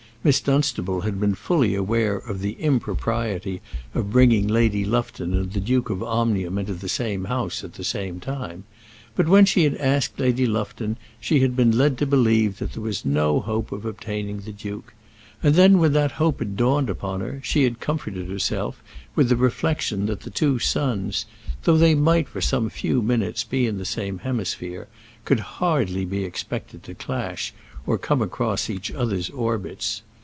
Miss Dunstable had been fully aware of the impropriety of bringing Lady Lufton and the Duke of Omnium into the same house at the same time; but when she had asked Lady Lufton, she had been led to believe that there was no hope of obtaining the duke; and then, when that hope had dawned upon her, she had comforted herself with the reflection that the two suns, though they might for some few minutes be in the same hemisphere, could hardly be expected to clash, or come across each other's orbits.